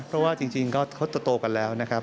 เพราะว่าจริงก็เขาจะโตกันแล้วนะครับ